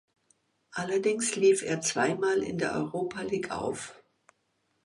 Allerdings lief er zweimal in der Europa League auf.